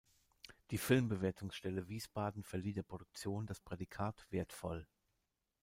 Die Filmbewertungsstelle Wiesbaden verlieh der Produktion das Prädikat "wertvoll.